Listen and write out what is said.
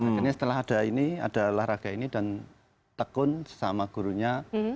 akhirnya setelah ada ini ada olahraga ini dan tekun sesama gurunya